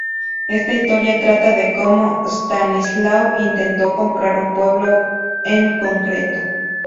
Esta historia trata de como Stanislaw intentó comprar un pueblo en concreto.